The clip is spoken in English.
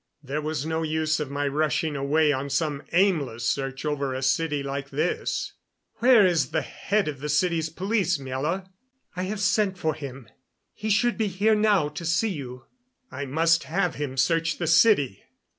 There was no use of my rushing away on some aimless search over a city like this. "Where is the head of the city's police, Miela?" "I have sent for him. He should be here now to see you." "I must have him search the city.